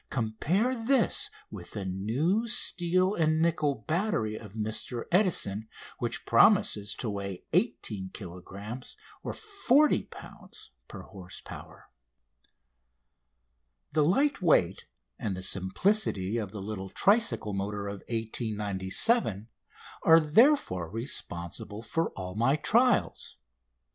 Compare this with the new steel and nickel battery of Mr Edison, which promises to weigh 18 kilogrammes (40 lbs.) per horse power. The light weight and the simplicity of the little tricycle motor of 1897 are, therefore, responsible for all my trials.